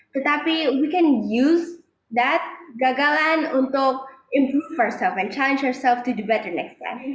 tetapi kita bisa menggunakan gagalan itu untuk memperbaiki diri kita dan mencoba untuk menjadi lebih baik